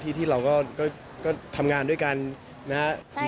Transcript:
ที่เราก็ทำงานด้วยกันนะครับ